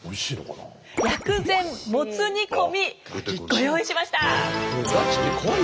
薬膳モツ煮込みご用意しました。